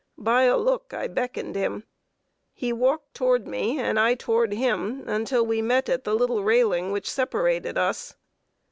By a look I beckoned him. He walked toward me and I toward him, until we met at the little railing which separated us.